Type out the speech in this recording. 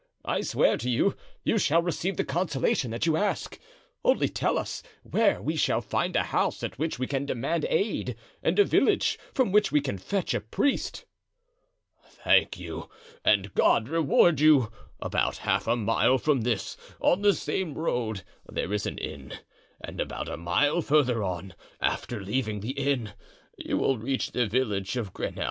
"I swear to you, you shall receive the consolation that you ask. Only tell us where we shall find a house at which we can demand aid and a village from which we can fetch a priest." "Thank you, and God reward you! About half a mile from this, on the same road, there is an inn, and about a mile further on, after leaving the inn, you will reach the village of Greney.